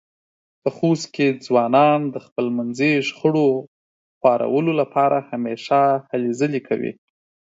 په خوست کې ځوانان د خپلمنځې شخړو خوارولو لپاره همېشه هلې ځلې کوي.